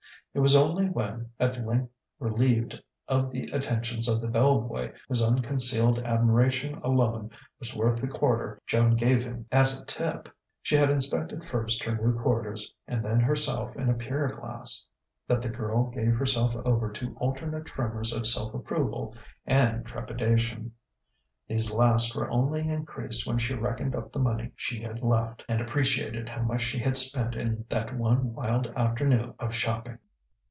It was only when, at length relieved of the attentions of the bell boy whose unconcealed admiration alone was worth the quarter Joan gave him as a tip, she had inspected first her new quarters and then herself in a pier glass, that the girl gave herself over to alternate tremors of self approval and trepidation. These last were only increased when she reckoned up the money she had left, and appreciated how much she had spent in that one wild afternoon of shopping.